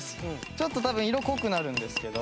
ちょっと多分色濃くなるんですけど。